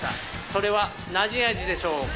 それは何味でしょうか？